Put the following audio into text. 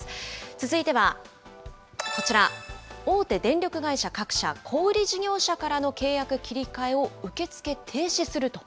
続いてはこちら、大手電力会社各社、小売り事業者からの契約切り替えを受け付け停止すると。